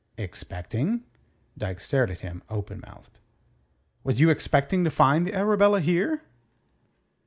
"Expecting?" Dyke stared at him, open mouthed. "Was you expecting to find the Arabella here?"